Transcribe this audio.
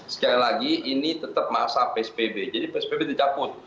sekali lagi ini tetap masa psbb jadi psbb dicabut